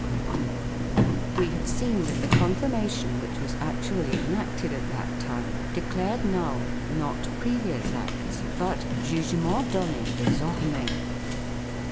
6 We have seen that the confirmation which was actually enacted at that time declared null, not previous acts, but "jugementz donez desoremes ".